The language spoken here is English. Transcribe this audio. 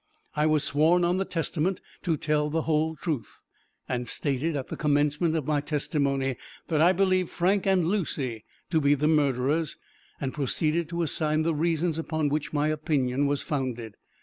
I was sworn on the Testament to tell the whole truth; and stated at the commencement of my testimony, that I believed Frank and Lucy to be the murderers, and proceeded to assign the reasons upon which my opinion was founded.